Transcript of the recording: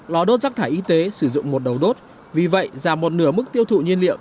lò đốt rác thải y tế sử dụng một đầu đốt vì vậy giảm một nửa mức tiêu thụ nhiên liệu